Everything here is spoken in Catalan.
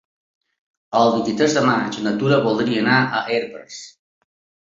El vint-i-tres de maig na Tura voldria anar a Herbers.